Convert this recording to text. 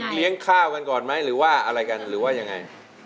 ต้องไปเลี้ยงข้าวกันก่อนไหมหรือว่าอะไรกันหรือว่ายังไง